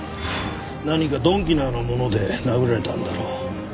何か鈍器のようなもので殴られたんだろう。